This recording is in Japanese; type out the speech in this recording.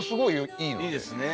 いいですねえ。